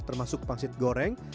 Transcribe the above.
termasuk pangsit goreng